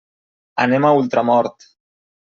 Anem a Ultramort.